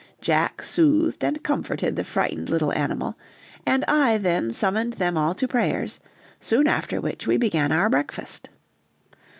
Jack soothed and comforted the frightened little animal, and I then summoned them all to prayers, soon after which we began our breakfast.